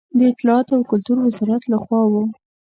د اطلاعاتو او کلتور وزارت له خوا و.